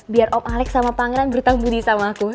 biar om alex sama pangeran berhutang budi sama aku